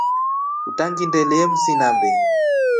Utangindelye msinambe.